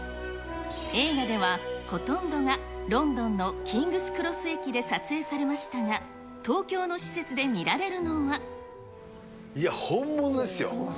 映画ではほとんどがロンドンのキングス・クロス駅で撮影されましいや、本物ですよ。